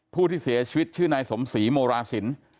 ผู้ที่เสียชีวิตชื่อนายสมศรีโมราศิลป์